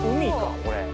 これ。